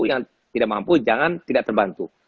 yang tidak mampu jangan tidak terbantu